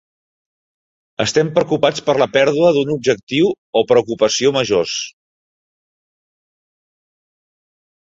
Estem preocupats per la pèrdua d'un objectiu o preocupació majors.